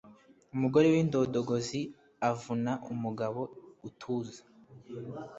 umugore w'indondogozi avuna umugabo utuza